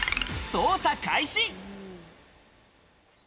捜査開始！